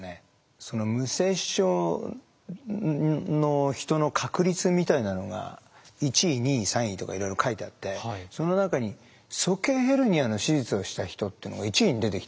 その無精子症の人の確率みたいなのが１位２位３位とかいろいろ書いてあってその中に鼠径ヘルニアの手術をした人っていうのが１位に出てきたんですよ。